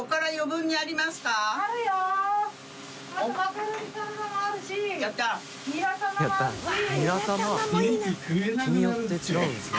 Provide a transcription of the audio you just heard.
中島）日によって違うんですね。